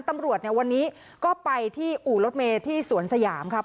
ตำรวจเนี่ยวันนี้ก็ไปที่อู่รถเมย์ที่สวนสยามครับ